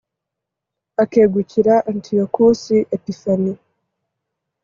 akegukira antiyokusi epifani